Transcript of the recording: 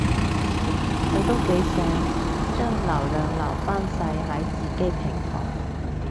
佢都幾醒，將流量留返晒喺自己平台